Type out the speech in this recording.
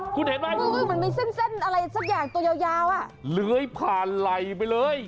คุณเห็นไหมเหมือนมีเส้นเส้นอะไรสักอย่างตัวยาวยาวอ่ะเลื้อยผ่านไหล่ไปเลย